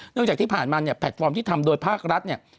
จากที่ผ่านมาเนี่ยแพลตฟอร์มที่ทำโดยภาครัฐเนี่ย